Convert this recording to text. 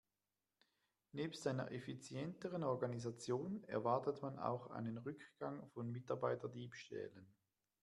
Nebst einer effizienteren Organisation erwartet man auch einen Rückgang von Mitarbeiterdiebstählen.